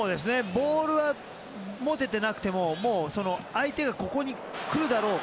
ボールは持てていなくても相手がここに来るだろう